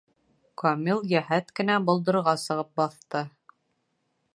Камил йәһәт кенә болдорға сығып баҫты.